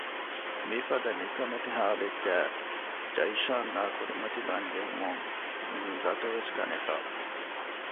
މިފަދަ ނިކަމެތި ހާލެއްގައި ޖަައިޝާން އާ ކުރިމަތިލާން ޖެހުމުން އިނީ ލަދުވެސް ގަނެފަ